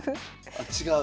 あ違う。